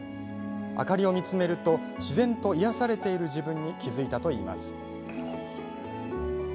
明かりを見つめると自然と癒やされている自分に気付いたといいます。